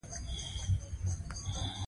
د غره ختلو پر مهال ډېر پام کوئ.